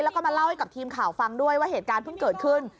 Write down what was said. แล้วก็มาเล่าให้กับทีมข่าวฟังด้วยว่าเหตุการณ์เพิ่งเกิดขึ้น